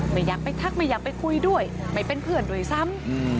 ไม่อยากไปทักไม่อยากไปคุยด้วยไม่เป็นเพื่อนด้วยซ้ำ